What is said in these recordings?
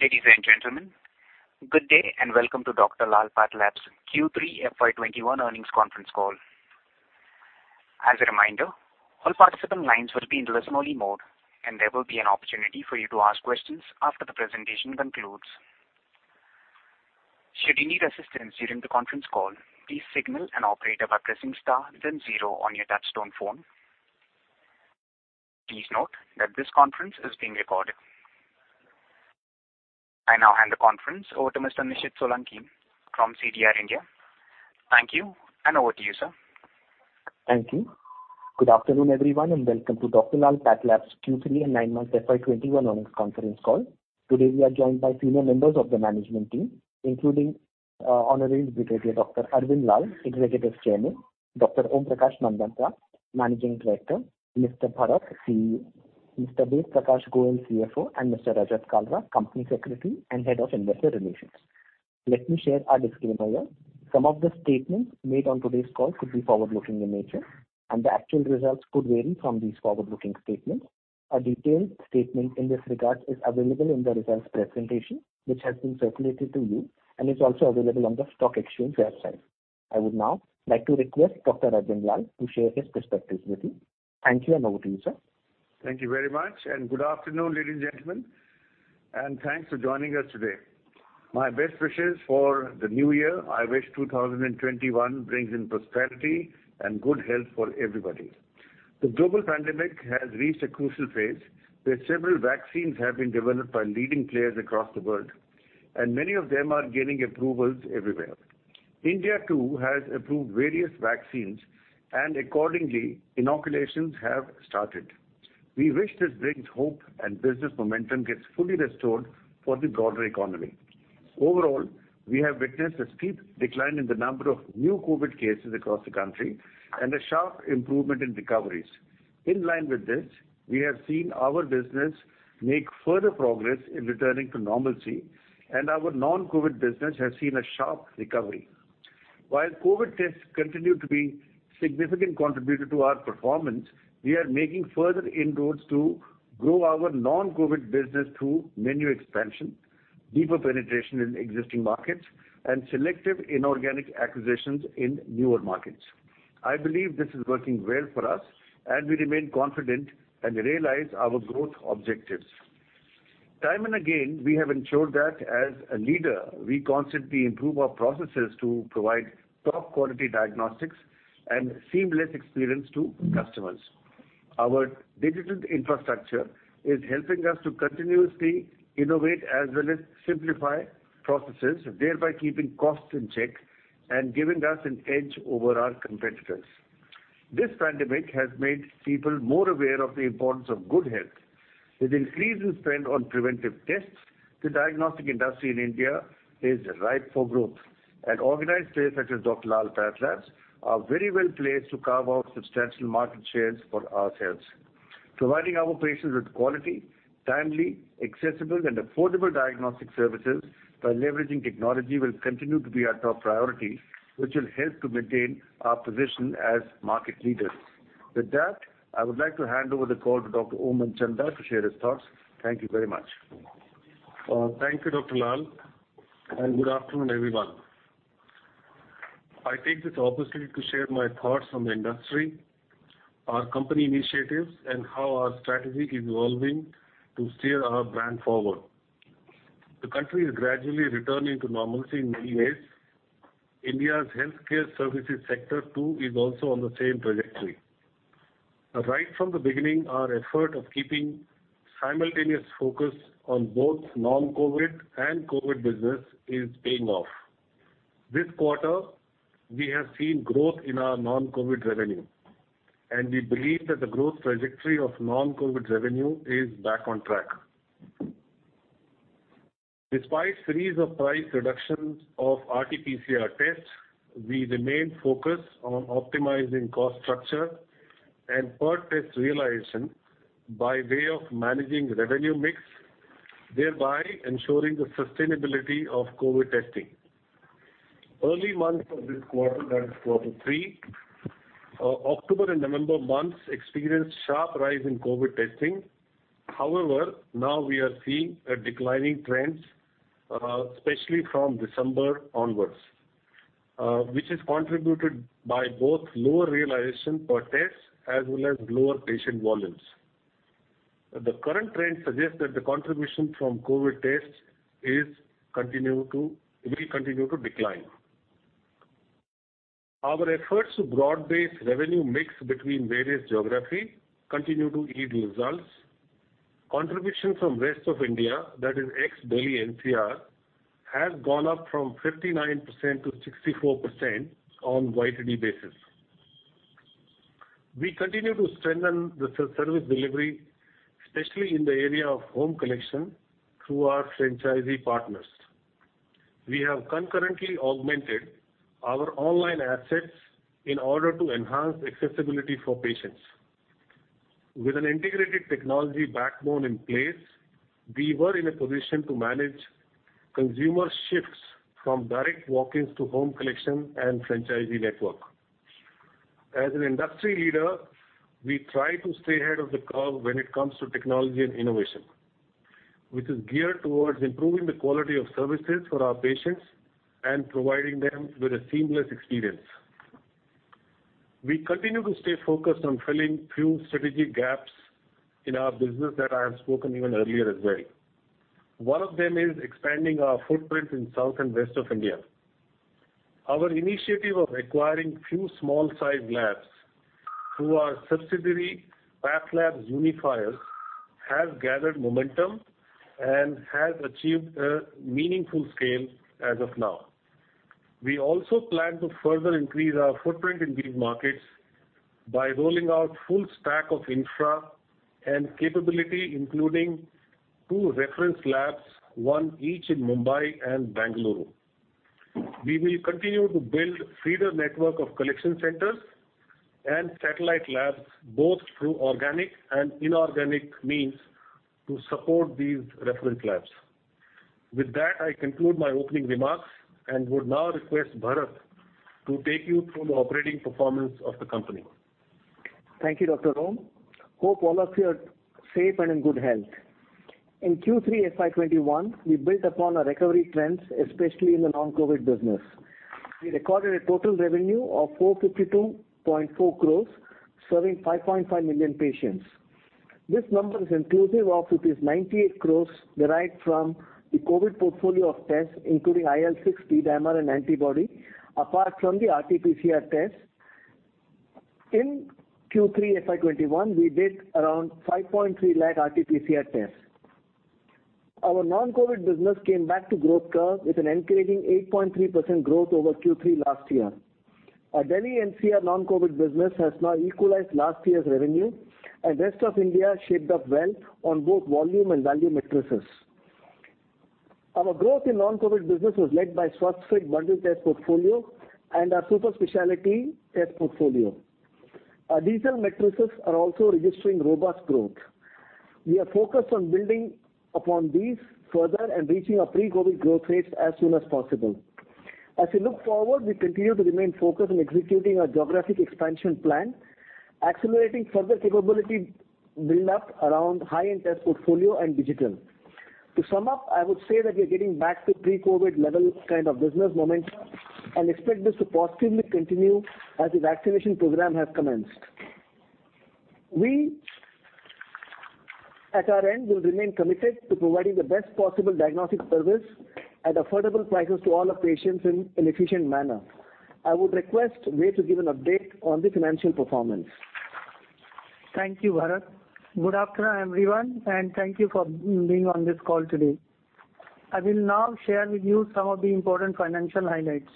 Ladies and gentlemen, good day, and welcome to Dr. Lal PathLabs Q3 FY 2021 Earnings Conference Call. As a reminder, all participant lines will be in listen-only mode, and there will be an opportunity for you to ask questions after the presentation concludes. Should you need assistance during the conference call, please signal an operator by pressing star then zero on your touchtone phone. Please note that this conference is being recorded. I now hand the conference over to Mr. Nishit Solanki from CDR India. Thank you, and over to you, sir. Thank you. Good afternoon, everyone, and welcome to Dr. Lal PathLabs Q3 and nine months FY 2021 earnings conference call. Today, we are joined by senior members of the management team, including honoraries Dr. Arvind Lal, Executive Chairman, Dr. Om Prakash Manchanda, Managing Director, Mr. Bharath, CEO, Mr. Ved Prakash Goel, CFO, and Mr. Rajat Kalra, Company Secretary and Head of Investor Relations. Let me share our disclaimer. Some of the statements made on today's call could be forward-looking in nature, and the actual results could vary from these forward-looking statements. A detailed statement in this regard is available in the results presentation, which has been circulated to you, and is also available on the stock exchange website. I would now like to request Dr. Arvind Lal to share his perspectives with you. Thank you, and over to you, sir. Thank you very much. Good afternoon, ladies and gentlemen. Thanks for joining us today. My best wishes for the New Year. I wish 2021 brings in prosperity and good health for everybody. The global pandemic has reached a crucial phase, where several vaccines have been developed by leading players across the world, and many of them are gaining approvals everywhere. India too has approved various vaccines. Accordingly, inoculations have started. We wish this brings hope, and business momentum gets fully restored for the broader economy. Overall, we have witnessed a steep decline in the number of new COVID cases across the country and a sharp improvement in recoveries. In line with this, we have seen our business make further progress in returning to normalcy, and our non-COVID business has seen a sharp recovery. While COVID tests continue to be significant contributor to our performance, we are making further inroads to grow our non-COVID business through menu expansion, deeper penetration in existing markets, and selective inorganic acquisitions in newer markets. I believe this is working well for us, and we remain confident and realize our growth objectives. Time and again, we have ensured that as a leader, we constantly improve our processes to provide top-quality diagnostics and seamless experience to customers. Our digital infrastructure is helping us to continuously innovate as well as simplify processes, thereby keeping costs in check and giving us an edge over our competitors. This pandemic has made people more aware of the importance of good health. With increased spend on preventive tests, the diagnostic industry in India is ripe for growth, and organized players such as Dr. Lal PathLabs are very well placed to carve out substantial market shares for ourselves. Providing our patients with quality, timely, accessible, and affordable diagnostic services by leveraging technology will continue to be our top priority, which will help to maintain our position as market leaders. With that, I would like to hand over the call to Dr. Om Manchanda to share his thoughts. Thank you very much. Thank you, Dr. Lal, and good afternoon, everyone. I take this opportunity to share my thoughts on the industry, our company initiatives, and how our strategy is evolving to steer our brand forward. The country is gradually returning to normalcy in many ways. India's healthcare services sector too is also on the same trajectory. Right from the beginning, our effort of keeping simultaneous focus on both non-COVID and COVID business is paying off. This quarter, we have seen growth in our non-COVID revenue, and we believe that the growth trajectory of non-COVID revenue is back on track. Despite series of price reductions of RT-PCR tests, we remain focused on optimizing cost structure and per test realization by way of managing revenue mix, thereby ensuring the sustainability of COVID testing. Early months of this quarter, that is quarter 3, October and November months experienced sharp rise in COVID testing. However, now we are seeing a declining trend, especially from December onwards, which is contributed by both lower realization per test as well as lower patient volumes. The current trend suggests that the contribution from COVID tests will continue to decline. Our efforts to broad base revenue mix between various geography continue to yield results. Contribution from rest of India, that is ex-Delhi NCR, has gone up from 59% to 64% on YTD basis. We continue to strengthen the service delivery, especially in the area of home collection, through our franchisee partners. We have concurrently augmented our online assets in order to enhance accessibility for patients. With an integrated technology backbone in place, we were in a position to manage consumer shifts from direct walk-ins to home collection and franchisee network. As an industry leader, we try to stay ahead of the curve when it comes to technology and innovation, which is geared towards improving the quality of services for our patients and providing them with a seamless experience. We continue to stay focused on filling few strategic gaps in our business that I have spoken even earlier as well. One of them is expanding our footprint in South and West of India. Our initiative of acquiring few small size labs through our subsidiary, PathLabs Unifiers, has gathered momentum and has achieved a meaningful scale as of now. We also plan to further increase our footprint in these markets by rolling out full stack of infra and capability, including two reference labs, one each in Mumbai and Bengaluru. We will continue to build feeder network of collection centers and satellite labs, both through organic and inorganic means, to support these reference labs. With that, I conclude my opening remarks and would now request Bharath to take you through the operating performance of the company. Thank you, Dr. Om. Hope all of you are safe and in good health. In Q3 FY21, we built upon our recovery trends, especially in the non-COVID business. We recorded a total revenue of 452.4 crore, serving 5.5 million patients. This number is inclusive of rupees 98 crore derived from the COVID portfolio of tests, including IL-6, D-dimer, and antibody, apart from the RT-PCR tests. In Q3 FY21, we did around 5.3 lakh RT-PCR tests. Our non-COVID business came back to growth curve with an encouraging 8.3% growth over Q3 last year. Our Delhi NCR non-COVID business has now equalized last year's revenue, and rest of India shaped up well on both volume and value metrics. Our growth in non-COVID business was led by Swasthfit bundle test portfolio and our super specialty test portfolio. Our digital metrics are also registering robust growth. We are focused on building upon these further and reaching our pre-COVID growth rates as soon as possible. As we look forward, we continue to remain focused on executing our geographic expansion plan, accelerating further capability build-up around high-end test portfolio and digital. To sum up, I would say that we are getting back to pre-COVID level kind of business momentum and expect this to positively continue as the vaccination program has commenced. We, at our end, will remain committed to providing the best possible diagnostic service at affordable prices to all our patients in an efficient manner. I would request Ved to give an update on the financial performance. Thank you, Bharath. Good afternoon, everyone, and thank you for being on this call today. I will now share with you some of the important financial highlights.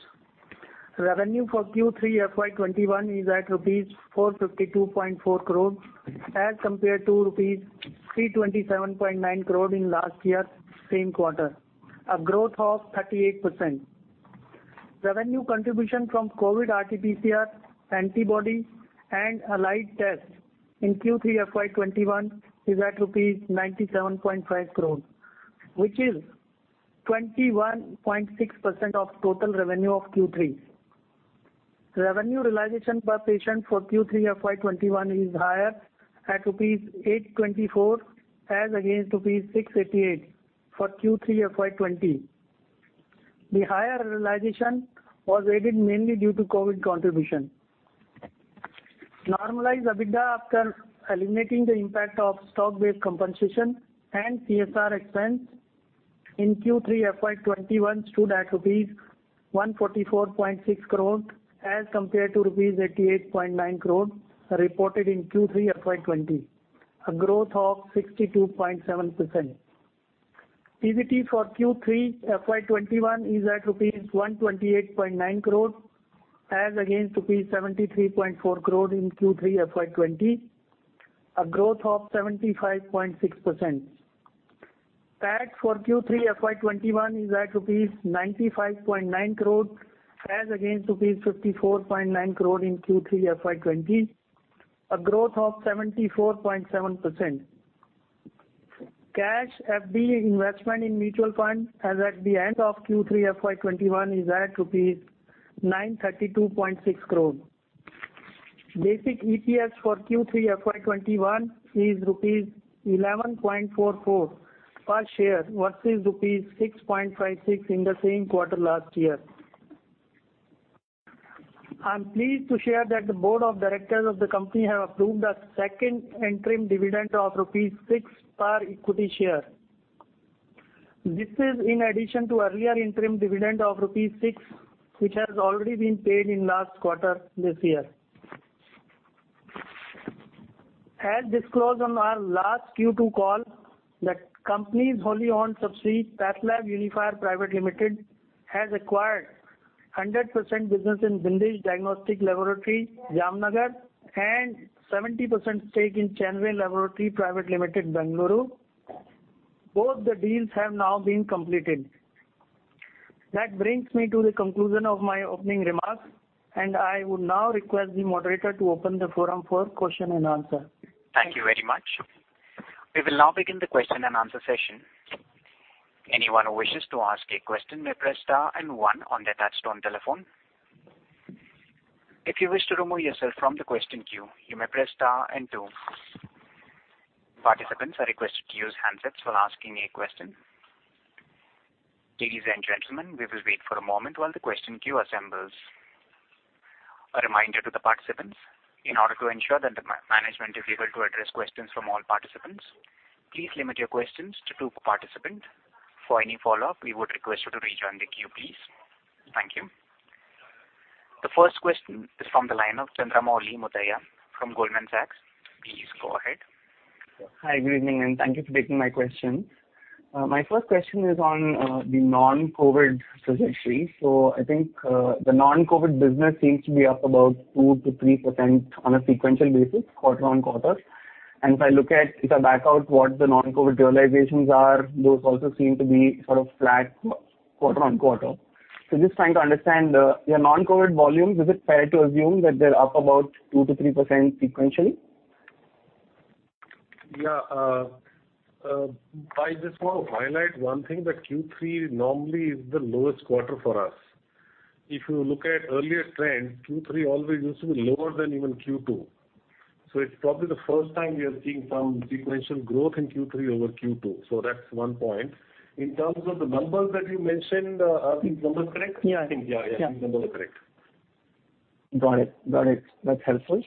Revenue for Q3 FY21 is at rupees 452.4 crores as compared to rupees 327.9 crore in last year same quarter, a growth of 38%. Revenue contribution from COVID RT-PCR, antibody, and allied tests in Q3 FY21 is at rupees 97.5 crore, which is 21.6% of total revenue of Q3. Revenue realization per patient for Q3 FY21 is higher at rupees 824 as against rupees 688 for Q3 FY20. The higher realization was aided mainly due to COVID contribution. Normalized EBITDA after eliminating the impact of stock-based compensation and CSR expense in Q3 FY21 stood at rupees 144.6 crores as compared to rupees 88.9 crores reported in Q3 FY20, a growth of 62.7%. EBT for Q3 FY21 is at rupees 128.9 crores as against rupees 73.4 crores in Q3 FY20, a growth of 75.6%. PAT for Q3 FY21 is at INR 95.9 crores as against INR 54.9 crores in Q3 FY20, a growth of 74.7%. Cash, FD, investment in mutual fund as at the end of Q3 FY21 is at rupees 932.6 crores. Basic EPS for Q3 FY21 is rupees 11.44 per share versus rupees 6.56 in the same quarter last year. I'm pleased to share that the board of directors of the company have approved a second interim dividend of rupees 6 per equity share. This is in addition to earlier interim dividend of rupees 6, which has already been paid in last quarter this year. As disclosed on our last Q2 call, that company's wholly owned subsidiary, PathLabs Unifiers Private Limited, has acquired 100% business in Bindish Diagnostic Laboratory, Jamnagar, and 70% stake in ChanRe Laboratory Private Limited, Bengaluru. Both the deals have now been completed. That brings me to the conclusion of my opening remarks, and I would now request the moderator to open the forum for question and answer. Thank you very much. We will now begin the question and answer session. Anyone who wishes to ask a question may press star and one on their touch-tone telephone. If you wish to remove yourself from the question queue, you may press star and two. Participants are requested to use handsets when asking a question. Ladies and gentlemen, we will wait for a moment while the question queue assembles. A reminder to the participants, in order to ensure that the management is able to address questions from all participants, please limit your questions to two per participant. For any follow-up, we would request you to rejoin the queue, please. Thank you. The first question is from the line of Chandramouli Muthiah from Goldman Sachs. Please go ahead. Hi. Good evening, thank you for taking my question. My first question is on the non-COVID trajectory. I think the non-COVID business seems to be up about 2%-3% on a sequential basis, quarter-on-quarter. If I back out what the non-COVID realizations are, those also seem to be sort of flat quarter-on-quarter. Just trying to understand, your non-COVID volumes, is it fair to assume that they're up about 2%-3% sequentially? Yeah. I just want to highlight one thing, that Q3 normally is the lowest quarter for us. If you look at earlier trends, Q3 always used to be lower than even Q2. It's probably the first time we are seeing some sequential growth in Q3 over Q2. That's one point. In terms of the numbers that you mentioned, are these numbers correct? Yeah. Yeah, I think the numbers are correct. Got it. That's helpful.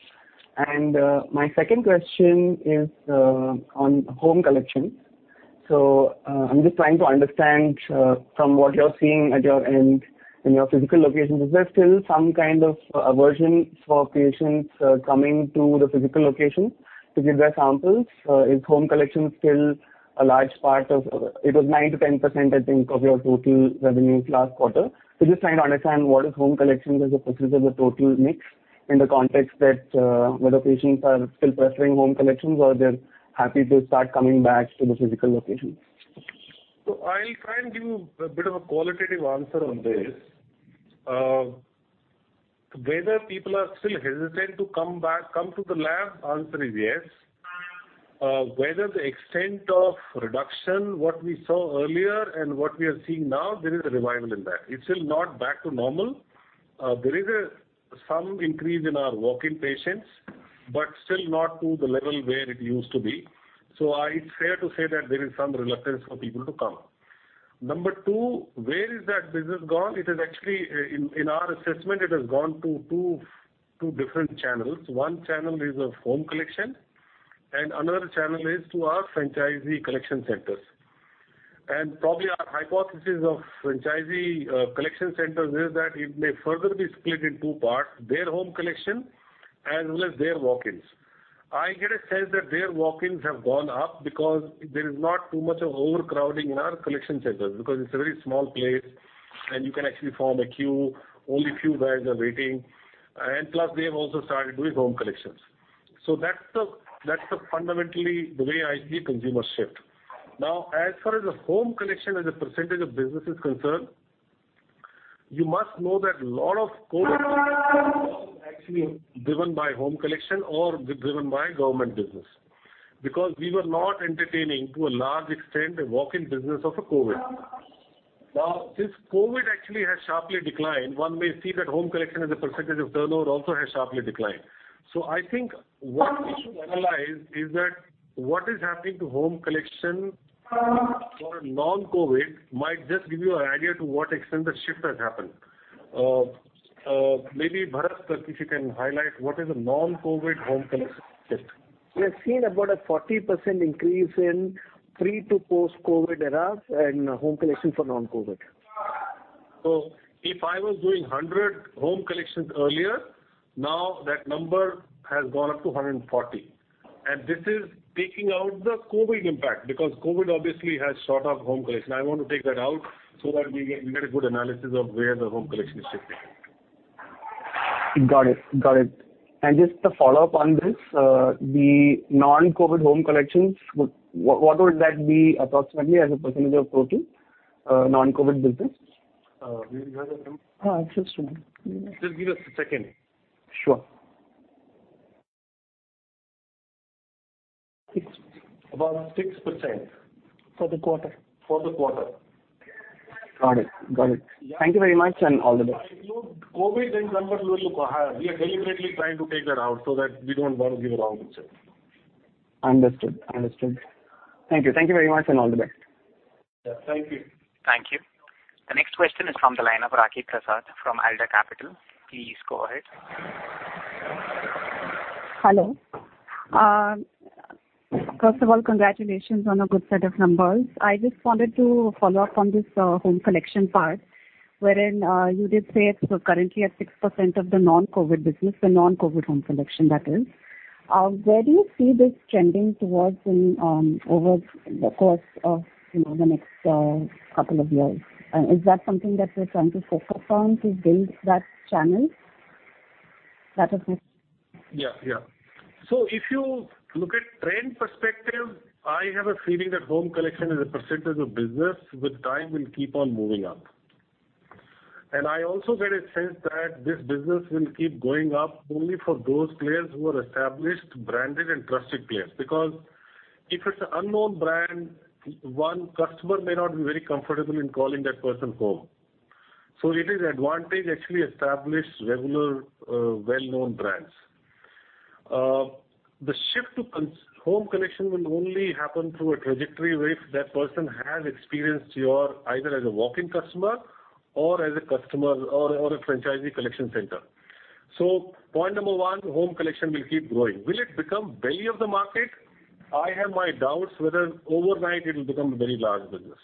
My second question is on home collection. I'm just trying to understand from what you're seeing at your end in your physical locations, is there still some kind of aversion for patients coming to the physical location to give their samples? Is home collection still a large part of, it was 9%-10%, I think, of your total revenue last quarter. Just trying to understand what is home collection as a percentage of total mix in the context that whether patients are still preferring home collections or they're happy to start coming back to the physical locations. I'll try and give a bit of a qualitative answer on this. Whether people are still hesitant to come to the lab, answer is yes. Whether the extent of reduction, what we saw earlier and what we are seeing now, there is a revival in that. It's still not back to normal. There is some increase in our walk-in patients, but still not to the level where it used to be. It's fair to say that there is some reluctance for people to come. Number two, where has that business gone? In our assessment, it has gone to two different channels. One channel is home collection and another channel is to our franchisee collection centers. Probably our hypothesis of franchisee collection centers is that it may further be split in two parts, their home collection as well as their walk-ins. I get a sense that their walk-ins have gone up because there is not too much of overcrowding in our collection centers, because it's a very small place and you can actually form a queue. Only few guys are waiting. Plus, they have also started doing home collections. That's fundamentally the way I see consumer shift. Now, as far as the home collection as a percentage of business is concerned, you must know that lot of COVID was actually driven by home collection or driven by government business. Because we were not entertaining to a large extent a walk-in business of COVID. Now, since COVID actually has sharply declined, one may see that home collection as a percentage of turnover also has sharply declined. I think what we should analyze is that what is happening to home collection for non-COVID might just give you an idea to what extent the shift has happened. Maybe Bharath, if you can highlight what is the non-COVID home collection. We have seen about a 40% increase in pre to post-COVID eras and home collection for non-COVID. If I was doing 100 home collections earlier, now that number has gone up to 140. This is taking out the COVID impact because COVID obviously has shot up home collection. I want to take that out so that we get a good analysis of where the home collection is shifting. Got it. Just a follow-up on this, the non-COVID home collections, what would that be approximately as a percentage of total non-COVID business? Do you have that number? Yes, just a moment. Just give us a second. Sure. 6% About 6%. For the quarter. For the quarter. Got it. Thank you very much, and all the best. COVID numbers will look higher. We are deliberately trying to take that out so that we don't want to give a wrong picture. Understood. Thank you. Thank you very much, and all the best. Yeah, thank you. Thank you. The next question is from the line of Rakhi Prasad from Alder Capital. Please go ahead. Hello. First of all, congratulations on a good set of numbers. I just wanted to follow up on this home collection part, wherein you did say it's currently at 6% of the non-COVID business, the non-COVID home collection, that is. Where do you see this trending towards over the course of the next couple of years? Is that something that you're trying to focus on to build that channel? That is it. Yeah. If you look at trend perspective, I have a feeling that home collection as a percentage of business with time will keep on moving up. I also get a sense that this business will keep going up only for those players who are established, branded, and trusted players. Because if it's an unknown brand, one customer may not be very comfortable in calling that person home. It is advantage actually established, regular, well-known brands. The shift to home collection will only happen through a trajectory where if that person has experienced you either as a walk-in customer or as a franchisee collection center. Point number one, home collection will keep growing. Will it become belly of the market? I have my doubts whether overnight it will become a very large business.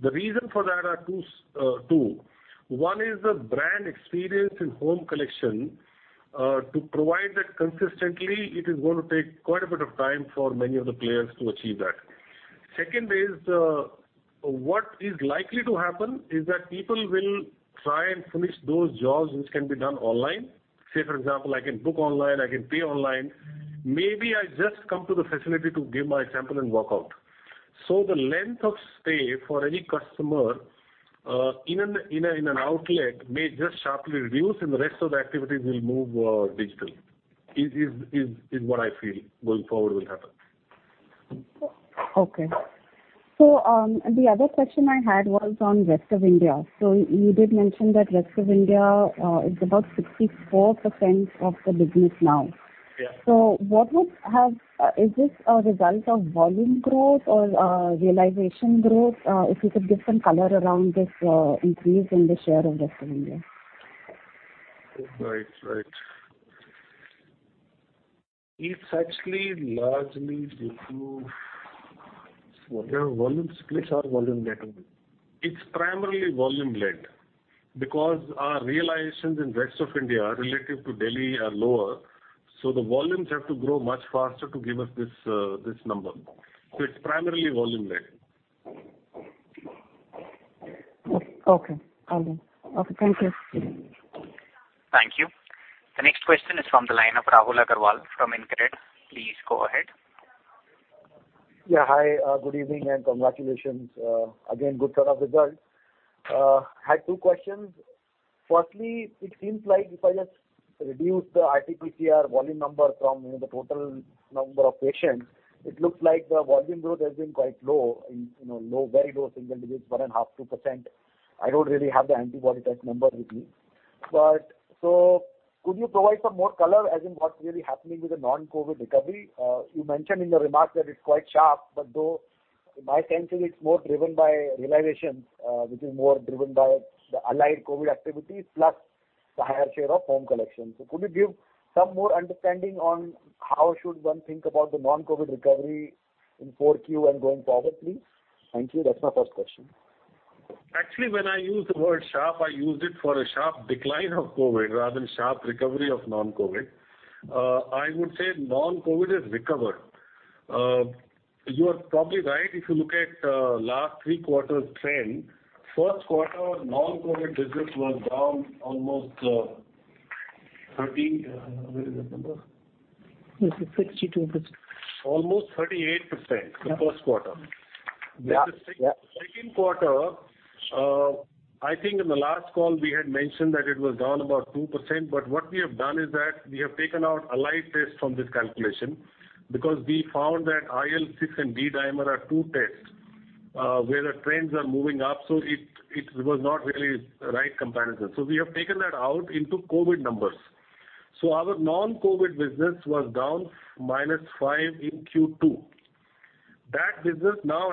The reasons for that are two. One is the brand experience in home collection. To provide that consistently, it is going to take quite a bit of time for many of the players to achieve that. Second is, what is likely to happen is that people will try and finish those jobs which can be done online. Say, for example, I can book online, I can pay online. Maybe I just come to the facility to give my sample and walk out. The length of stay for any customer, in an outlet may just sharply reduce and the rest of the activities will move digital, is what I feel going forward will happen. Okay. The other question I had was on rest of India. You did mention that rest of India is about 64% of the business now. Yes. Is this a result of volume growth or realization growth? If you could give some color around this increase in the share of rest of India. Right. It's actually largely due to volume splits or volume led. It's primarily volume-led, because our realizations in rest of India relative to Delhi are lower. The volumes have to grow much faster to give us this number. It's primarily volume-led. Okay. Got it. Okay, thank you. Thank you. The next question is from the line of Rahul Agarwal from InCred. Please go ahead. Yeah. Hi, good evening and congratulations. Again, good set of results. I had two questions. Firstly, it seems like if I just reduce the RT-PCR volume number from the total number of patients, it looks like the volume growth has been quite low in very low single digits, 1.5%-2%. I don't really have the antibody test number with me. Could you provide some more color, as in what's really happening with the non-COVID recovery? You mentioned in your remarks that it's quite sharp, though my sense is it's more driven by realizations, which is more driven by the allied COVID activities, plus the higher share of home collection. Could you give some more understanding on how should one think about the non-COVID recovery in four Q and going forward, please? Thank you. That's my first question. Actually, when I used the word sharp, I used it for a sharp decline of COVID rather than sharp recovery of non-COVID. I would say non-COVID is recovered. You are probably right if you look at last three quarters trend. First quarter non-COVID business was down almost 30. Where is that number? It's 62%. Almost 38%- Yeah -the first quarter. Yeah. Second quarter, I think in the last call we had mentioned that it was down about 2%, but what we have done is that we have taken out allied tests from this calculation because we found that IL-6 and D-dimer are two tests, where the trends are moving up. It was not really the right comparison. We have taken that out into COVID numbers. Our non-COVID business was down -5 in Q2. That business now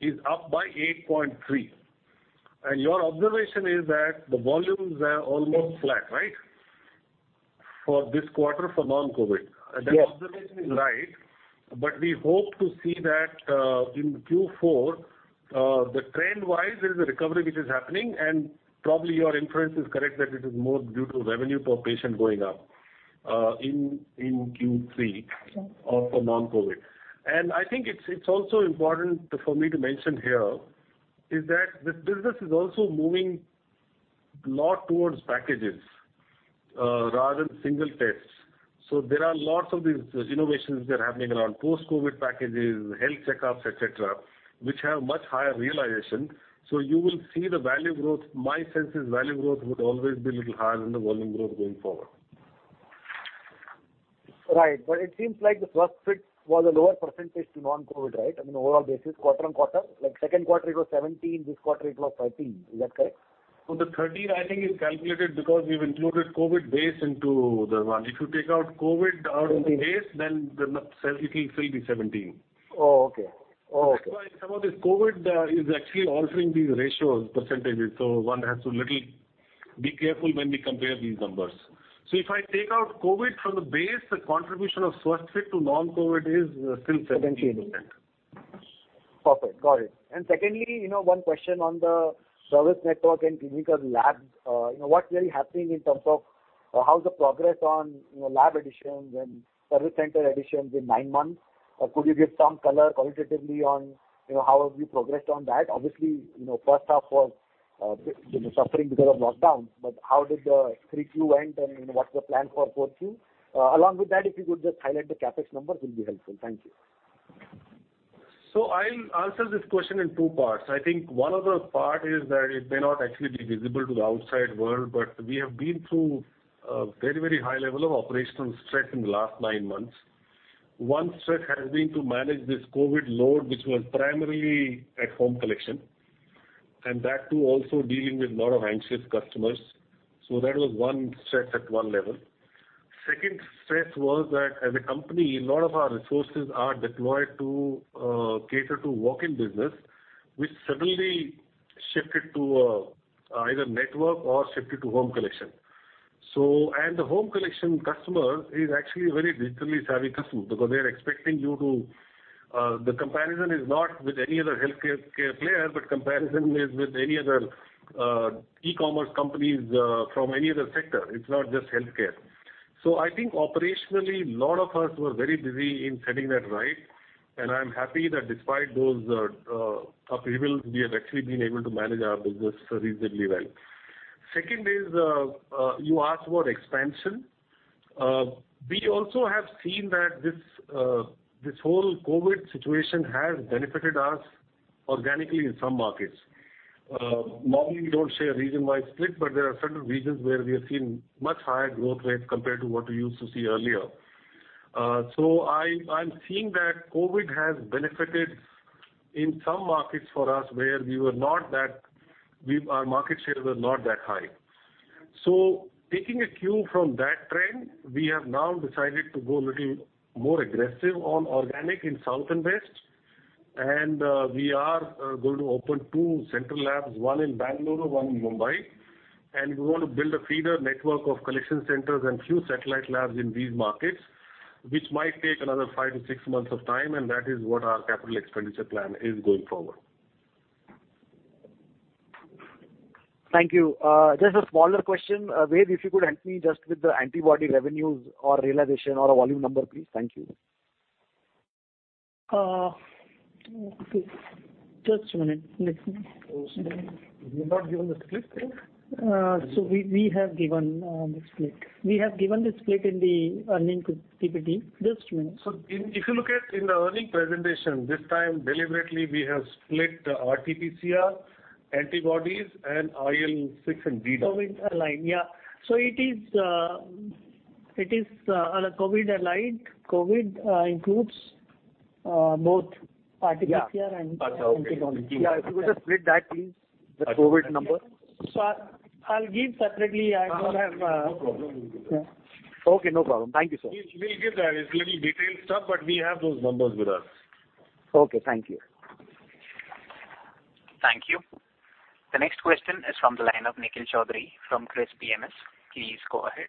is up by 8.3. Your observation is that the volumes are almost flat. Right? For this quarter for non-COVID. Yes. That observation is right, but we hope to see that in Q4, the trend-wise, there is a recovery which is happening, and probably your inference is correct that it is more due to revenue per patient going up, in Q3 for non-COVID. I think it's also important for me to mention here is that this business is also moving a lot towards packages, rather than single tests. There are lots of these innovations that are happening around post-COVID packages, health checkups, et cetera, which have much higher realization. You will see the value growth. My sense is value growth would always be a little higher than the volume growth going forward. Right. It seems like the Swasthfit was a lower percentage to non-COVID, right? I mean, overall basis, quarter-on-quarter. Like second quarter it was 17, this quarter it was 13. Is that correct? The 13 I think is calculated because we've included COVID base into the one. If you take out COVID out in the base, then it will still be 17. Oh, okay. That's why some of this COVID is actually altering these ratios percentages. One has to be careful when we compare these numbers. If I take out COVID from the base, the contribution of Swasthfit to non-COVID is still 17%. Perfect. Got it. Secondly, one question on the service network and clinical labs. What's really happening in terms of how's the progress on lab additions and service center additions in nine months? Could you give some color qualitatively on how have you progressed on that? Obviously, first half was suffering because of lockdowns, but how did the 3Q end, and what's the plan for 4Q? Along with that, if you could just highlight the CapEx numbers, it will be helpful. Thank you. I'll answer this question in two parts. I think one of the parts is that it may not actually be visible to the outside world, but we have been through a very high level of operational stress in the last nine months. One stress has been to manage this COVID load, which was primarily at home collection, and that too, also dealing with a lot of anxious customers. That was one stress at one level. Second stress was that as a company, a lot of our resources are deployed to cater to walk-in business, which suddenly shifted to either network or shifted to home collection. The home collection customer is actually a very digitally savvy customer because they're expecting you to, the comparison is not with any other healthcare player, but comparison is with any other e-commerce companies from any other sector. It's not just healthcare. I think operationally, a lot of us were very busy in setting that right, and I'm happy that despite those upheavals, we have actually been able to manage our business reasonably well. Second is, you asked about expansion. We also have seen that this whole COVID situation has benefited us organically in some markets. Normally, we don't share region-wide split, but there are certain regions where we have seen much higher growth rates compared to what we used to see earlier. I'm seeing that COVID has benefited in some markets for us where our market shares were not that high. Taking a cue from that trend, we have now decided to go a little more aggressive on organic in South and West. We are going to open two central labs, one in Bangalore, one in Mumbai. We want to build a feeder network of collection centers and few satellite labs in these markets, which might take another five to six months of time. That is what our capital expenditure plan is going forward. Thank you. Just a smaller question. Ved, if you could help me just with the antibody revenues or realization or a volume number, please. Thank you. Okay. Just a minute. One second. We have not given the split yet? We have given the split. We have given the split in the earnings PPT. Just a minute. If you look at in the earning presentation, this time deliberately we have split RT-PCR, antibodies, and IL-6 and D-dimer. COVID aligned, yeah. It is COVID aligned. COVID includes both RT-PCR and antibody. Yeah. If you could just split that please, the COVID number. I'll give separately. No problem. Okay, no problem. Thank you, sir. We'll give that. It's little detailed stuff, but we have those numbers with us. Okay. Thank you. Thank you. The next question is from the line of Nikhil Chowdhary from Kriis PMS. Please go ahead.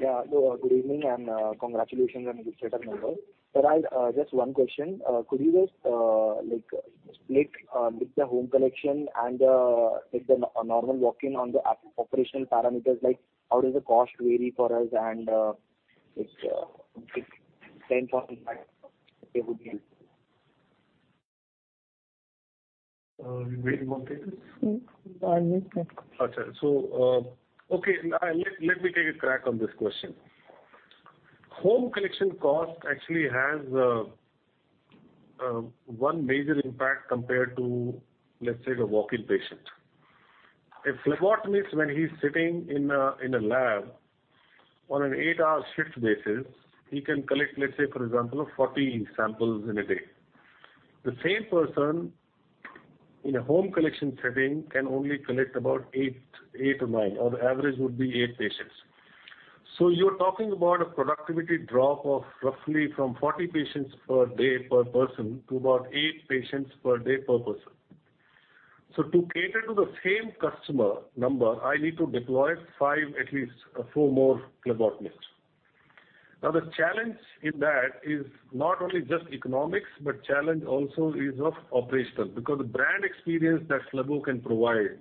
Yeah. Hello, good evening and congratulations on the better numbers. Sir, I have just one question. Could you just split with the home collection and with the normal walk-in on the operational parameters, like how does the cost vary for us and its impact, if any. Ved, you want to take this? No. You take it. Okay. Let me take a crack on this question. Home collection cost actually has one major impact compared to, let's say, the walk-in patient. A phlebotomist, when he's sitting in a lab on an eight-hour shift basis, he can collect, let's say, for example, 40 samples in a day. The same person in a home collection setting can only collect about eight or nine, or the average would be eight patients. You're talking about a productivity drop of roughly from 40 patients per day per person to about eight patients per day per person. To cater to the same customer number, I need to deploy five, at least four more phlebotomists. The challenge in that is not only just economics, challenge also is of operational, because the brand experience that phlebo can provide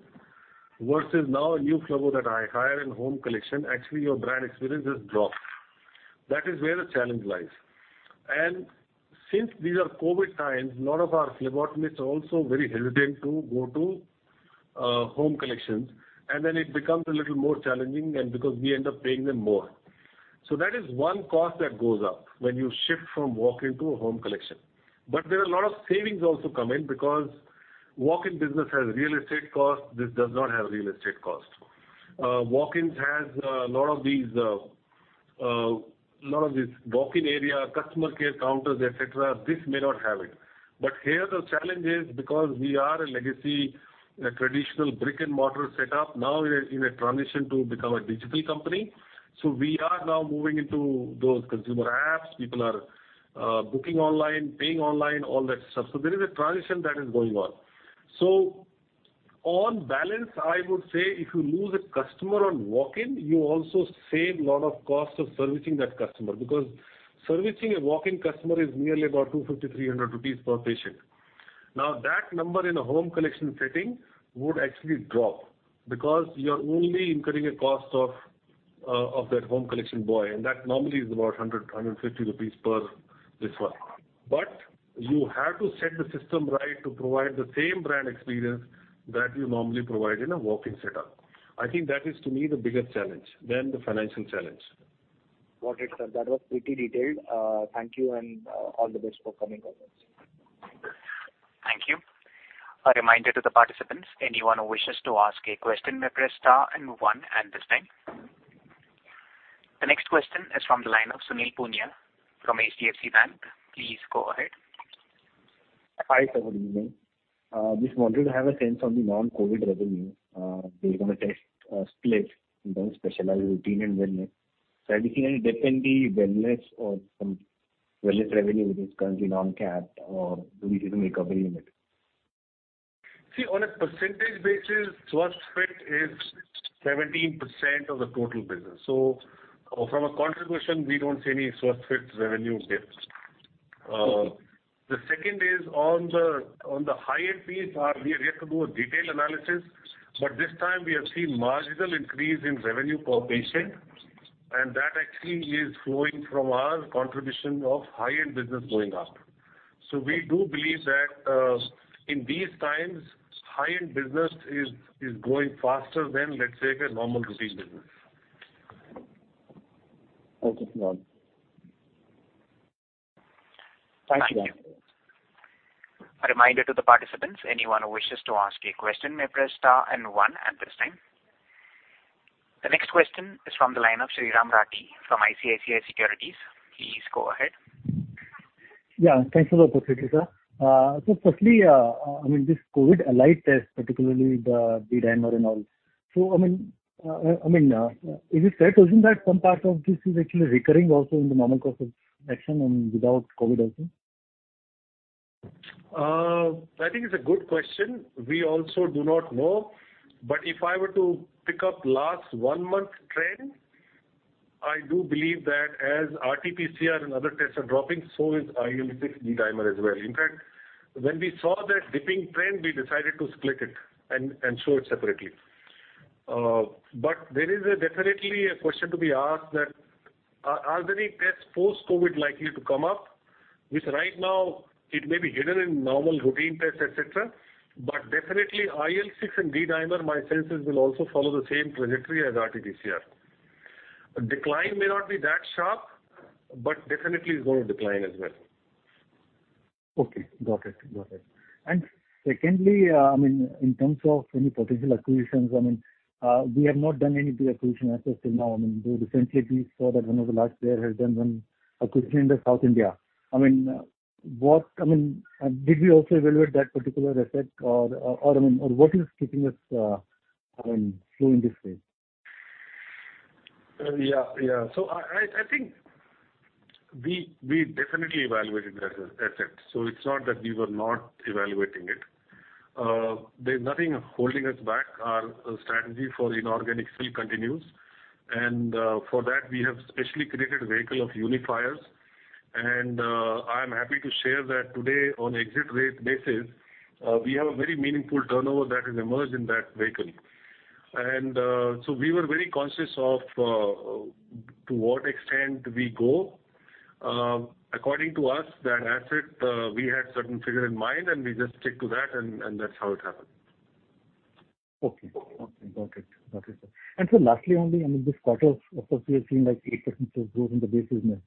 versus now a new phlebo that I hire in-home collection, actually, your brand experience has dropped. That is where the challenge lies. Since these are COVID times, a lot of our phlebotomists are also very hesitant to go to home collections. Then it becomes a little more challenging, and because we end up paying them more. That is one cost that goes up when you shift from walk-in to a home collection. There are a lot of savings also come in because walk-in business has real estate cost, this does not have real estate cost. Walk-ins has a lot of these walk-in area, customer care counters, et cetera. This may not have it. Here, the challenge is because we are a legacy, a traditional brick-and-mortar setup, now we are in a transition to become a digital company. We are now moving into those consumer apps. People are booking online, paying online, all that stuff. There is a transition that is going on. On balance, I would say if you lose a customer on walk-in, you also save a lot of cost of servicing that customer, because servicing a walk-in customer is nearly about 250 rupees, 300 rupees per patient. That number in a home collection setting would actually drop because you are only incurring a cost of that home collection boy, and that normally is about 150 rupees per this one. You have to set the system right to provide the same brand experience that you normally provide in a walk-in setup. I think that is to me the biggest challenge, than the financial challenge. Got it, sir. That was pretty detailed. Thank you, and all the best for coming quarters. of action and without COVID also? I think it's a good question. We also do not know. If I were to pick up last one-month trend, I do believe that as RT-PCR and other tests are dropping, so is IL-6, D-dimer as well. In fact, when we saw that dipping trend, we decided to split it and show it separately. There is definitely a question to be asked that are there any tests post-COVID likely to come up, which right now it may be hidden in normal routine tests, et cetera, but definitely IL-6 and D-dimer, my sense is will also follow the same trajectory as RT-PCR. Decline may not be that sharp, but definitely it's going to decline as well. Okay, got it. Secondly, in terms of any potential acquisitions, we have not done any big acquisition as of till now. Though recently we saw that one of the large players has done one acquisition in South India. Did we also evaluate that particular asset, or what is keeping us flowing this way? Yeah. I think we definitely evaluated that asset. It's not that we were not evaluating it. There's nothing holding us back. Our strategy for inorganic still continues, and for that, we have specially created a vehicle of Unifiers. I'm happy to share that today on exit rate basis, we have a very meaningful turnover that has emerged in that vehicle. We were very conscious of to what extent we go. According to us, that asset, we had certain figure in mind, and we just stick to that, and that's how it happened. Okay. Got it, sir. Sir, lastly only, this quarter, of course, we have seen like 8% of growth in the base business.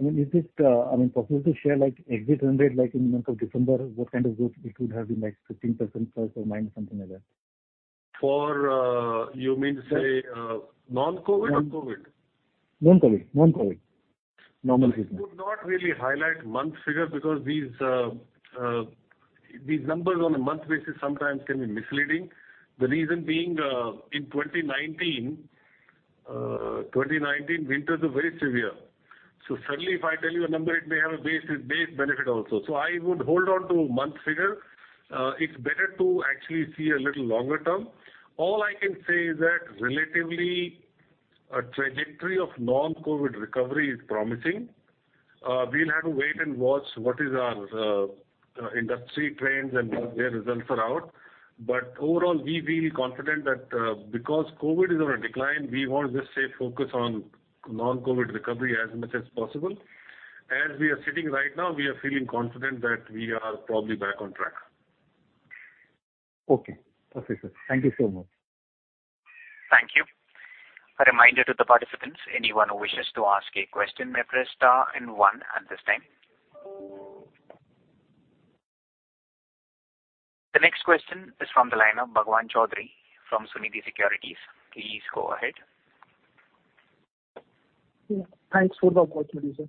Is it possible to share like exit trend, like in the month of December, what kind of growth it would have been, like 15% plus or minus, something like that? You mean to say non-COVID or COVID? Non-COVID. Normal business. I would not really highlight month figures because these numbers on a month basis sometimes can be misleading. The reason being, in 2019, winters were very severe. Suddenly if I tell you a number, it may have a base benefit also. I would hold on to month figure. It's better to actually see a little longer term. All I can say is that relatively, a trajectory of non-COVID recovery is promising. We will have to wait and watch what is our industry trends and once their results are out. Overall, we feel confident that because COVID is on a decline, we want to just stay focused on non-COVID recovery as much as possible. As we are sitting right now, we are feeling confident that we are probably back on track. Okay. Perfect, sir. Thank you so much. Thank you. A reminder to the participants, anyone who wishes to ask a question may press star and one at this time. The next question is from the line of Bhagwan Chaudhary from Sunidhi Securities. Please go ahead. Thanks for the opportunity, sir.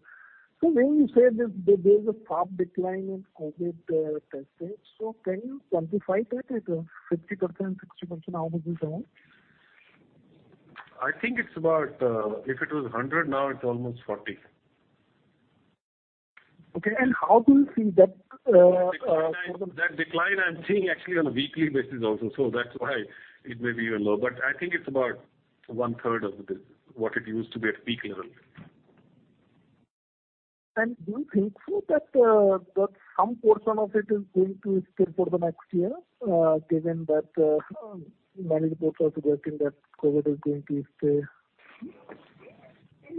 When you say there's a sharp decline in COVID testing, can you quantify that? Is it 50%, 60%? How much is the amount? I think if it was 100, now it's almost 40. Okay, how do you see that problem- That decline I'm seeing actually on a weekly basis also, so that's why it may be even low, but I think it's about one-third of what it used to be at peak level. Do you think so that some portion of it is going to stay for the next year, given that many reports are suggesting that COVID is going to stay?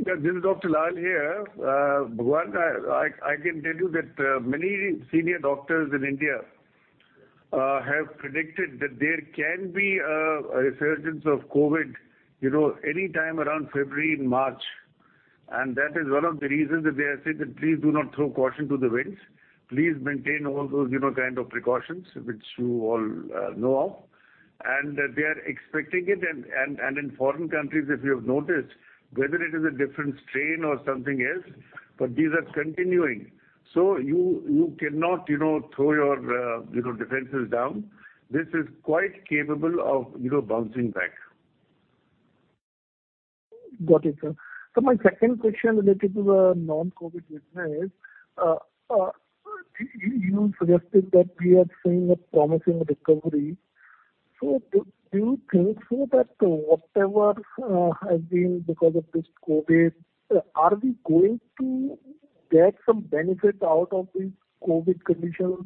This is Dr. Lal here. Bhagwan, I can tell you that many senior doctors in India have predicted that there can be a resurgence of COVID any time around February and March. That is one of the reasons that they are saying that please do not throw caution to the winds. Please maintain all those kind of precautions which you all know of. They are expecting it, and in foreign countries, if you have noticed, whether it is a different strain or something else, but these are continuing. You cannot throw your defenses down. This is quite capable of bouncing back. Got it, sir. My second question related to the non-COVID business. You suggested that we are seeing a promising recovery. Do you think so that whatever has been because of this COVID, are we going to get some benefit out of these COVID conditions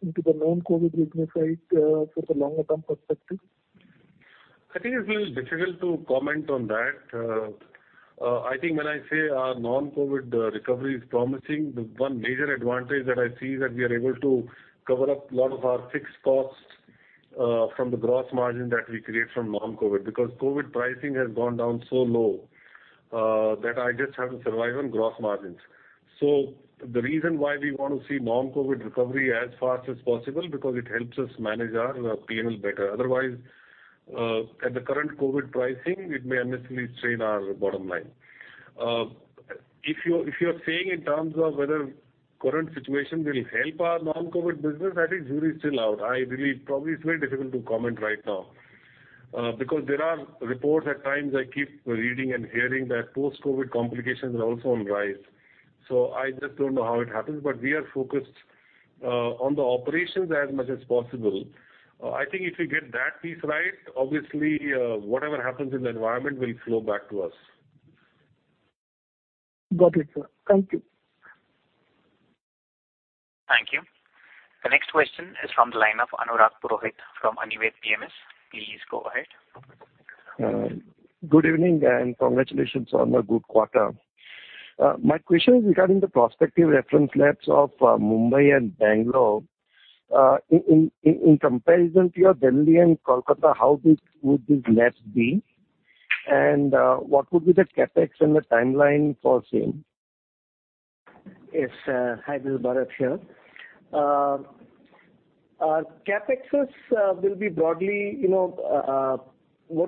into the non-COVID business side for the longer term perspective? I think it's a little difficult to comment on that. I think when I say our non-COVID recovery is promising, the one major advantage that I see is that we are able to cover up a lot of our fixed costs from the gross margin that we create from non-COVID. COVID pricing has gone down so low, that I just have to survive on gross margins. The reason why we want to see non-COVID recovery as fast as possible, because it helps us manage our P&L better. Otherwise, at the current COVID pricing, it may unnecessarily strain our bottom line. If you're saying in terms of whether current situation will help our non-COVID business, I think jury's still out. Probably it's very difficult to comment right now. There are reports at times I keep reading and hearing that post-COVID complications are also on rise. I just don't know how it happens, but we are focused on the operations as much as possible. I think if we get that piece right, obviously, whatever happens in the environment will flow back to us. Got it, sir. Thank you. Thank you. The next question is from the line of Anurag Purohit from Anived PMS. Please go ahead. Good evening. Congratulations on a good quarter. My question is regarding the prospective reference labs of Mumbai and Bangalore. In comparison to your Delhi and Kolkata, how big would these labs be? What would be the CapEx and the timeline for same? Yes. Hi, this is Bharath here. What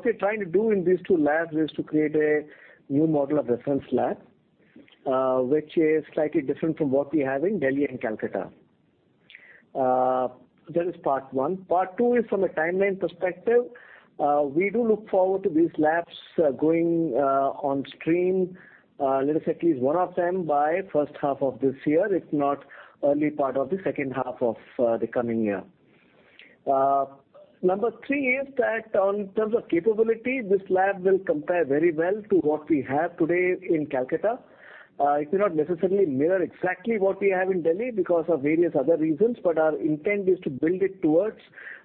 we're trying to do in these two labs is to create a new model of reference lab, which is slightly different from what we have in Delhi and Kolkata. That is part one. Part two is from a timeline perspective. We do look forward to these labs going on stream, let us say at least one of them by first half of this year, if not early part of the second half of the coming year. Number three is that on terms of capability, this lab will compare very well to what we have today in Kolkata. It may not necessarily mirror exactly what we have in Delhi because of various other reasons, but our intent is to build it towards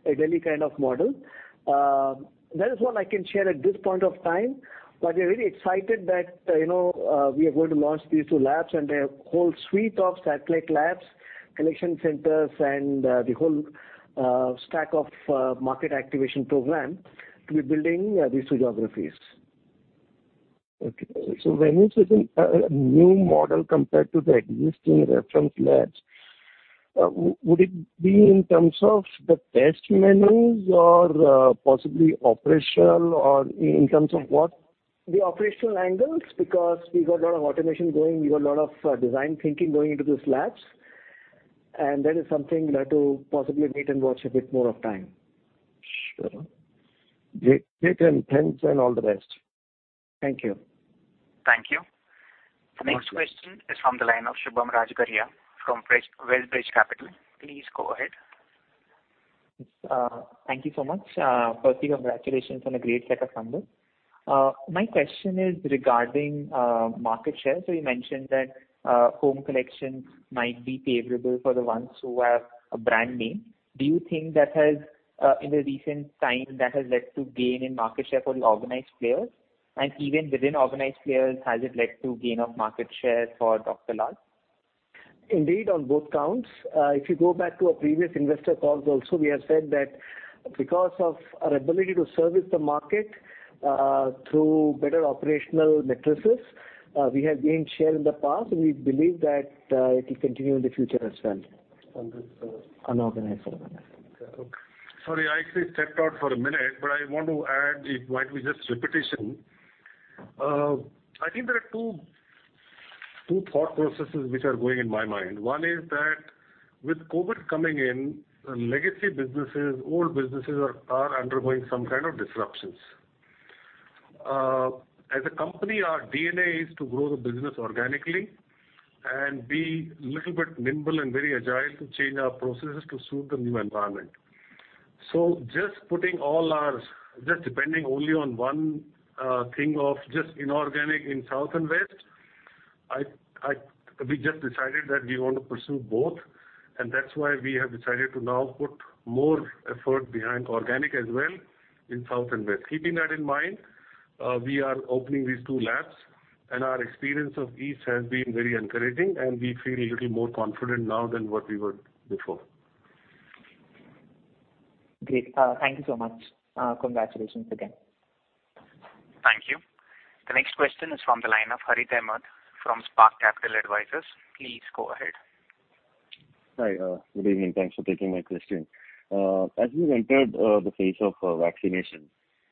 a Delhi kind of model. That is what I can share at this point of time, but we are really excited that we are going to launch these two labs and a whole suite of satellite labs, collection centers, and the whole stack of market activation program to be building these two geographies. Okay. When you say new model compared to the existing reference labs, would it be in terms of the test menus or possibly operational or in terms of what? The operational angles, because we got a lot of automation going, we got a lot of design thinking going into these labs. That is something you'll have to possibly wait and watch a bit more of time. Sure. Great. Thanks and all the best. Thank you. Thank you. The next question is from the line of Subham Rajgaria from WestBridge Capital. Please go ahead. Thank you so much. Firstly, congratulations on a great set of numbers. My question is regarding market share. You mentioned that home collections might be favorable for the ones who have a brand name. Do you think that has led to gain in market share for the organized players? Even within organized players, has it led to gain of market share for Dr. Lal? Indeed, on both counts. If you go back to our previous investor calls also, we have said that because of our ability to service the market, through better operational matrices, we have gained share in the past, and we believe that it will continue in the future as well. Under organized? Unorganized as well. Sorry, I actually stepped out for a minute, but I want to add, it might be just repetition. I think there are two thought processes which are going in my mind. One is that with COVID coming in, legacy businesses, old businesses are undergoing some kind of disruptions. As a company, our DNA is to grow the business organically and be little bit nimble and very agile to change our processes to suit the new environment. Just depending only on one thing of just inorganic in South and West, we just decided that we want to pursue both, and that's why we have decided to now put more effort behind organic as well in South and West. Keeping that in mind, we are opening these two labs. Our experience of these has been very encouraging, and we feel a little more confident now than what we were before. Great. Thank you so much. Congratulations again. Thank you. The next question is from the line of Harith Ahamed from Spark Capital Advisors. Please go ahead. Hi. Good evening. Thanks for taking my question. As we've entered the phase of vaccination,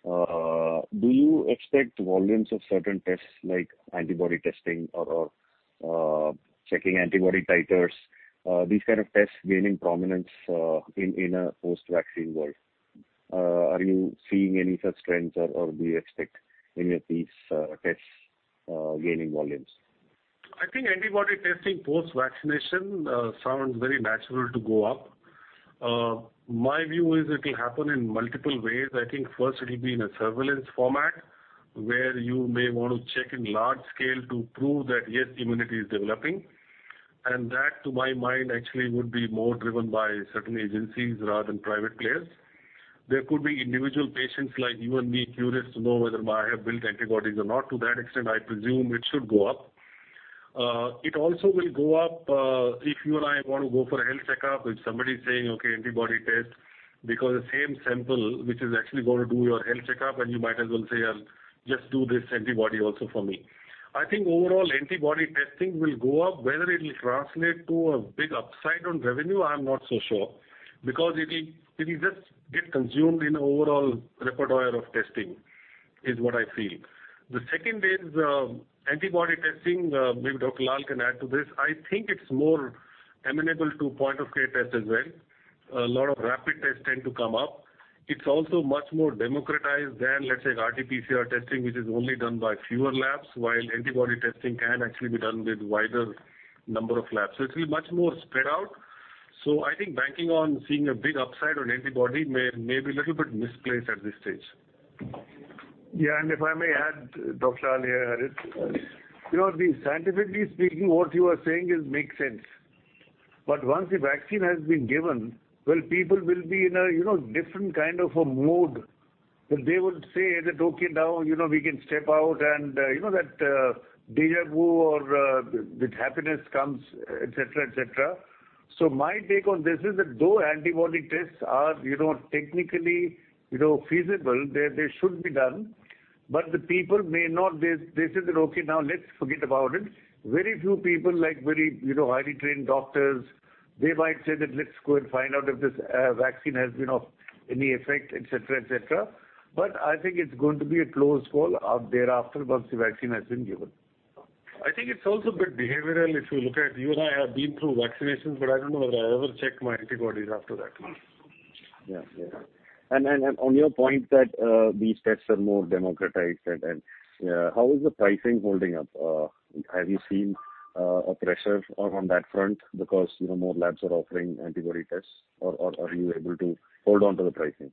do you expect volumes of certain tests like antibody testing or checking antibody titers, these kind of tests gaining prominence in a post-vaccine world? Are you seeing any such trends or do you expect any of these tests gaining volumes? I think antibody testing post-vaccination sounds very natural to go up. My view is it will happen in multiple ways. I think first it'll be in a surveillance format, where you may want to check in large scale to prove that, yes, immunity is developing. That, to my mind actually, would be more driven by certain agencies rather than private players. There could be individual patients like you and me curious to know whether I have built antibodies or not. To that extent, I presume it should go up. It also will go up, if you and I want to go for a health checkup, if somebody is saying, "Okay, antibody test," because the same sample which is actually going to do your health checkup, and you might as well say, "Well, just do this antibody also for me." I think overall, antibody testing will go up. Whether it will translate to a big upside on revenue, I'm not so sure. Because it will just get consumed in the overall repertoire of testing, is what I feel. The second is antibody testing, maybe Dr. Lal can add to this. I think it's more amenable to point of care test as well. A lot of rapid tests tend to come up. It's also much more democratized than, let's say, RT-PCR testing, which is only done by fewer labs, while antibody testing can actually be done with wider number of labs. It's much more spread out. I think banking on seeing a big upside on antibody may be a little bit misplaced at this stage. If I may add, Dr. Lal here, Harith. Scientifically speaking, what you are saying makes sense. Once the vaccine has been given, well, people will be in a different kind of a mood, that they would say that, "Okay, now, we can step out," and you know that deja vu or with happiness comes, et cetera. My take on this is that though antibody tests are technically feasible, they should be done. The people may not say that, "Okay, now let's forget about it." Very few people, like very highly trained doctors, they might say that, "Let's go and find out if this vaccine has any effect," et cetera. I think it's going to be a close call thereafter, once the vaccine has been given. I think it's also a bit behavioral, if you look at it. You and I have been through vaccinations, but I don't know whether I ever checked my antibodies after that. Yeah. On your point that these tests are more democratized, how is the pricing holding up? Have you seen a pressure on that front because more labs are offering antibody tests? Are you able to hold on to the pricing?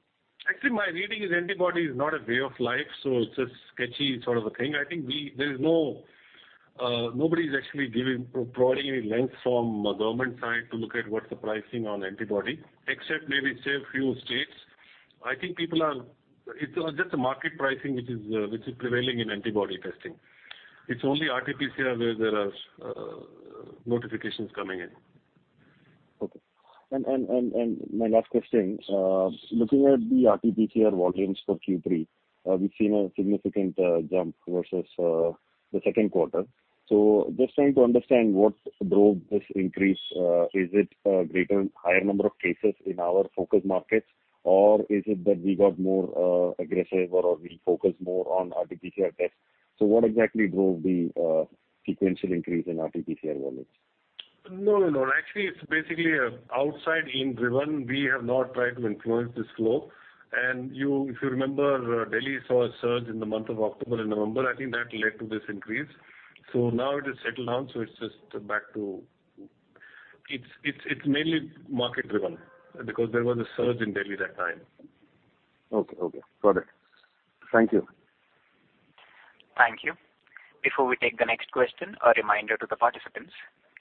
My reading is antibody is not a way of life, it's a sketchy sort of a thing. Nobody's actually giving or providing any lengths from a government side to look at what's the pricing on antibody, except maybe say a few states. It's just a market pricing which is prevailing in antibody testing. Only RT-PCR where there are notifications coming in. Okay. My last question. Looking at the RT-PCR volumes for Q3, we've seen a significant jump versus the second quarter. Just trying to understand what drove this increase. Is it a higher number of cases in our focus markets? Or is it that we got more aggressive, or we focused more on RT-PCR tests? What exactly drove the sequential increase in RT-PCR volumes? No. Actually, it's basically outside in-driven. We have not tried to influence this flow. If you remember, Delhi saw a surge in the month of October and November. I think that led to this increase. Now it is settled down. It's mainly market-driven. Because there was a surge in Delhi that time. Okay. Got it. Thank you. Thank you. Before we take the next question, a reminder to the participants.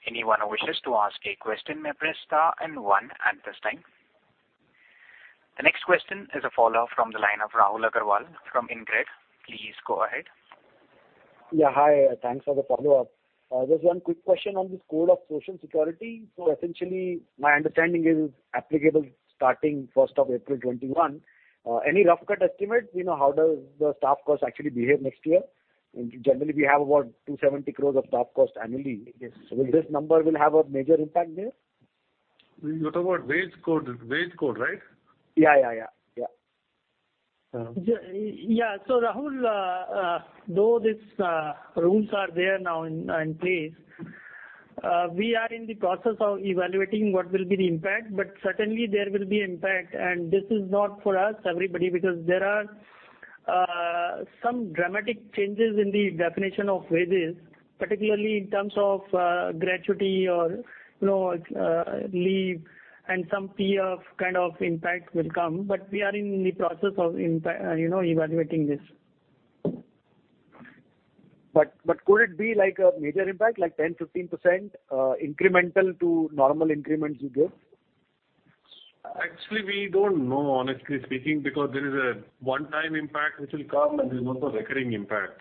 Anyone who wishes to ask a question may press star and one at this time. The next question is a follow-up from the line of Rahul Agarwal from InCred. Please go ahead. Yeah. Hi. Thanks for the follow-up. Just one quick question on this Code on Social Security. Essentially, my understanding is applicable starting 1st of April 2021. Any rough cut estimate? How does the staff cost actually behave next year? Generally, we have about 270 crores of staff cost annually. Will this number have a major impact there? You're talking about Wage Code, right? Yeah. Rahul, though these rules are there now in place, we are in the process of evaluating what will be the impact. Certainly, there will be impact. This is not for us, everybody. There are some dramatic changes in the definition of wages, particularly in terms of gratuity or leave, and some PF kind of impact will come. We are in the process of evaluating this. Could it be a major impact, like 10%, 15% incremental to normal increments you give? Actually, we don't know, honestly speaking, because there is a one-time impact which will come, and there's also recurring impact.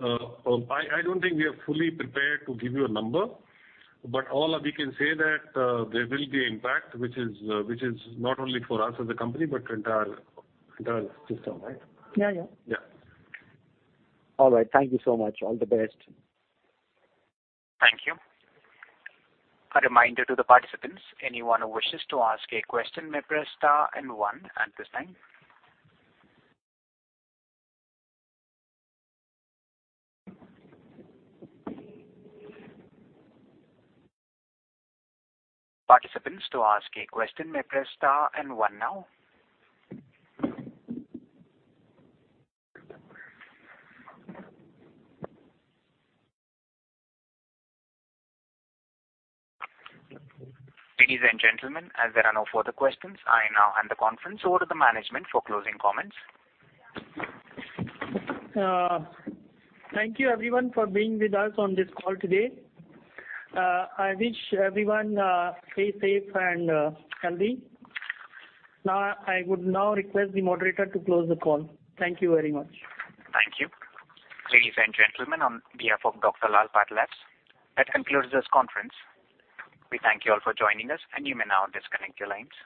I don't think we are fully prepared to give you a number. All we can say that there will be impact, which is not only for us as a company, but entire system, right? Yeah. Yeah. All right. Thank you so much. All the best. Thank you. Ladies and gentlemen, as there are no further questions, I now hand the conference over to management for closing comments. Thank you everyone for being with us on this call today. I wish everyone stay safe and healthy. I would now request the moderator to close the call. Thank you very much. Thank you. Ladies and gentlemen, on behalf of Dr. Lal PathLabs, that concludes this conference. We thank you all for joining us. You may now disconnect your lines.